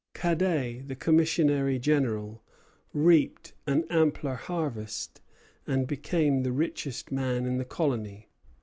Cadet, the commissary general, reaped an ampler harvest, and became the richest man in the colony.